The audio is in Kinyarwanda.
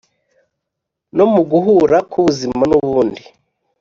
no mu guhura k’ubuzima n’ubundi